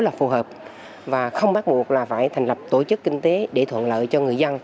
là phù hợp và không bắt buộc là phải thành lập tổ chức kinh tế để thuận lợi cho người dân